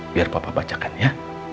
biar papa bacakan ya